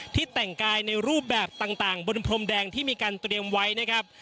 แต่งกายในรูปแบบต่างบนพรมแดงที่มีการเตรียมไว้นะครับ